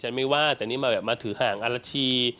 ฉันไม่ว่าแต่นี่มาทิหารรถชี